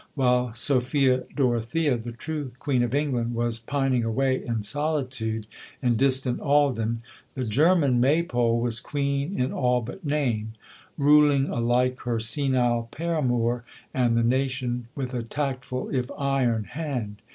While Sophia Dorothea, the true Queen of England, was pining away in solitude in distant Ahlden, the German "Maypole" was Queen in all but name, ruling alike her senile paramour and the nation with a tactful, if iron hand.